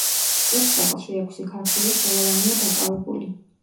სპექტაკლში ექვსი ქართველი ხელოვანია დაკავებული.